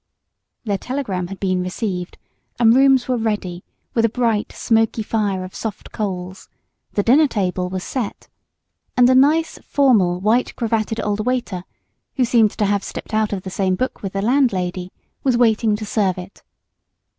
Their telegram had been received, and rooms were ready, with a bright, smoky fire of soft coals; the dinner table was set, and a nice, formal, white cravated old waiter, who seemed to have stepped out of the same book with the landlady, was waiting to serve it.